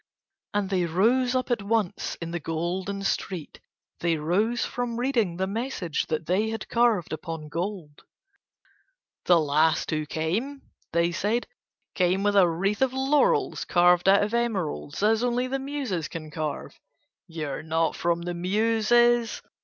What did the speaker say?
And they rose up at once in the Golden street, they rose from reading the message that they had carved upon gold. "The last who came," they said, "came with a wreath of laurels carved out of emeralds, as only the Muses can carve. You are not from the Muses."